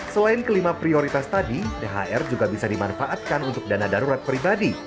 selain kelima prioritas tadi thr juga bisa dimanfaatkan untuk dana darurat pribadi